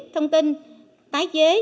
thông tin tái chế